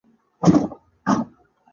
زما پر قبر شیندي